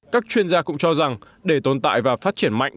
các chuyên gia cũng cho rằng để tồn tại và phát triển mạnh